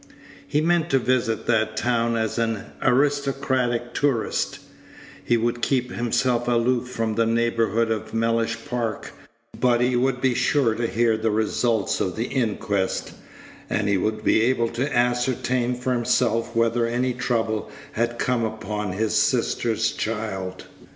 He meant to visit that town as an aristocratic tourist; he would keep himself aloof from the neighborhood of Mellish Park, but he would be sure to hear the result of the inquest, and he would be able to ascertain for himself whether any trouble had come upon his sister's child.